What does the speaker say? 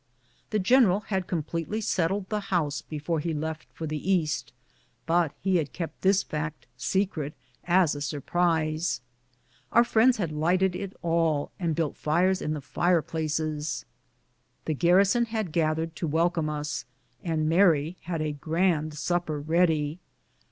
The general had completely settled the house before he left for the East, but he had kept this fact secret, as a surprise. Our friends had lighted it all, and built fires in the fireplaces. The garrison had gathered to welcome us, and Mary had a grand supper ready.